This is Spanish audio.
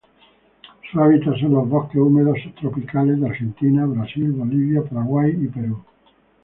Su hábitat son los bosques húmedos subtropicales de Argentina, Brasil, Bolivia, Paraguay y Perú.